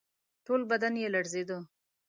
ټول بدن یې لړزېده.